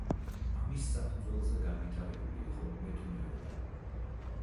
ამის საფუძველზე განვითარებული იყო მეთუნეობა.